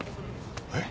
えっ？